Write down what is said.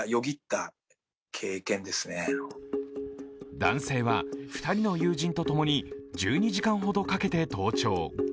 男性は、２人の友人と共に１２時間ほどかけて登頂。